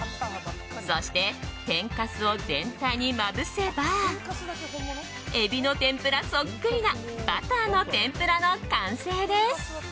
そして天かすを全体にまぶせばエビの天ぷらそっくりなバターの天ぷらの完成です。